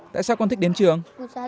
tại sao con thích đến trường